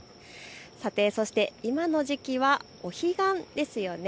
そして今の時期はお彼岸ですよね。